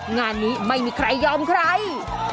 งานนี้ไม่มีใครยอมใคร